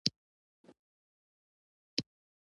نو لوی لالا به دا منظوم متل ياداوه.